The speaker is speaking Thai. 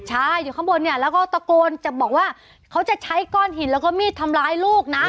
ใช่อยู่ข้างบนเนี่ยแล้วก็ตะโกนจะบอกว่าเขาจะใช้ก้อนหินแล้วก็มีดทำร้ายลูกนะ